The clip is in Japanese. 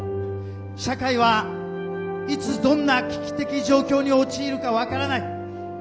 「社会はいつどんな危機的状況に陥るか分からない。